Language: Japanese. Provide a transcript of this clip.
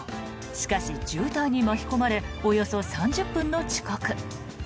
しかし、渋滞に巻き込まれおよそ３０分の遅刻。